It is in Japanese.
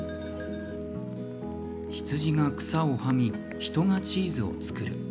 羊が草をはみ、人がチーズを造る。